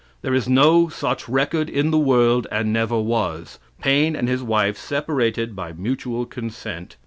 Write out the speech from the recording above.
There is no such record in the world, and never was. Paine and his wife separated by mutual consent.